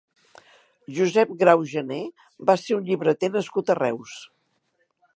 Josep Grau Gené va ser un llibreter nascut a Reus.